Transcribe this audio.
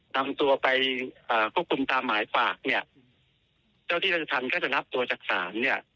นำตัวไปควบคุมตามหมายฝากเนี่ยเจ้าที่ราชธรรมก็จะรับตัวจากศาลเนี่ย